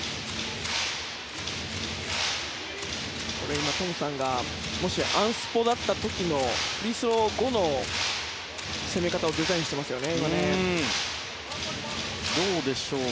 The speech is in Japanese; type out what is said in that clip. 今、トムさんがもしアンスポだった時のフリースロー後の攻め方をデザインしていますね。